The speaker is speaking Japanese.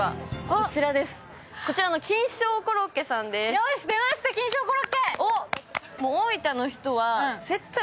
よし、出ました、金賞コロッケ！